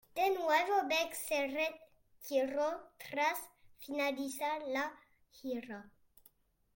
De nuevo, Beck se retiró tras finalizar la gira.